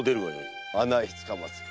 案内つかまつる。